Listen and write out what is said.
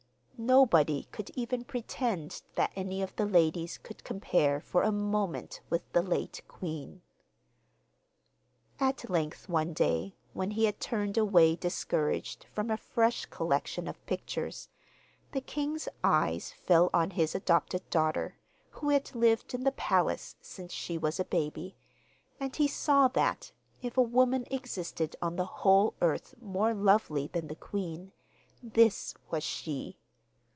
nobody could even pretend that any of the ladies could compare for a moment with the late queen. At length, one day, when he had turned away discouraged from a fresh collection of pictures, the king's eyes fell on his adopted daughter, who had lived in the palace since she was a baby, and he saw that, if a woman existed on the whole earth more lovely than the queen, this was she!